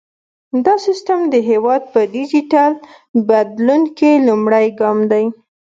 دا سیستم د هیواد په ډیجیټل بدلون کې لومړی ګام دی۔